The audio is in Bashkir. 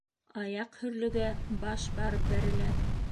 Аяҡ һөрлөгә, баш барып бәрелә.